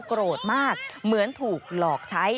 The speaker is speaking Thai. โกรธมากเหมือนถูกหลอกใช้